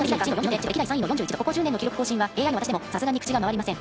ここ１０年の記録更新はＡＩの私でもさすがに口が回りません。